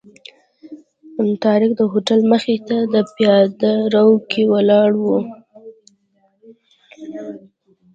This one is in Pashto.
طارق د هوټل مخې ته په پیاده رو کې ولاړ و.